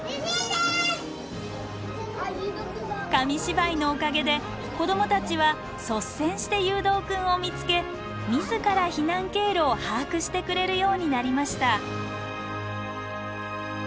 紙芝居のおかげで子どもたちは率先してゆうどうくんを見つけ自ら避難経路を把握してくれるようになりました。